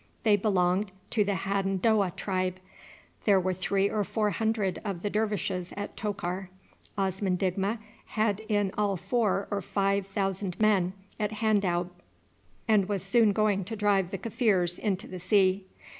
They belonged to the Hadendowah tribe. There were three or four hundred of the dervishes at Tokar. Osman Digma had in all four or five thousand men at Handoub, and was soon going to drive the Kaffirs into the sea.